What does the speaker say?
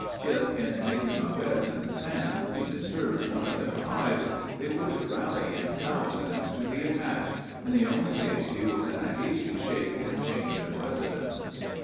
If, in making our beds in the sand, we disturbed one of their hives, they would rally in thousands to the attack, and the only safety was in a hasty shake and change of residence.